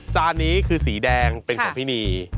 จานนี้คือสีแดงเป็นของพี่นี